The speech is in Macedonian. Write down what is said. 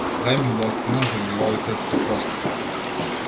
Дај милостина, за гревовите да ти се простат.